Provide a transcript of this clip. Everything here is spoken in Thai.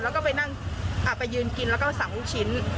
แล้วก็ไปนั่งไปยืนกินแล้วก็สั่งลูกชิ้น